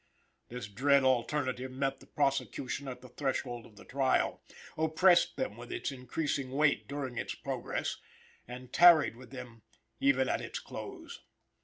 This dread alternative met the prosecution at the threshold of the trial, oppressed them with its increasing weight during its progress, and tarried with them even at its close.